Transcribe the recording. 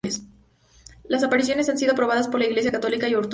Las apariciones han sido aprobadas por la Iglesia Católica y la Ortodoxa.